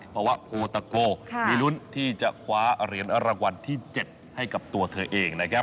ภาวะโคตะโกมีลุ้นที่จะคว้าเหรียญรางวัลที่๗ให้กับตัวเธอเองนะครับ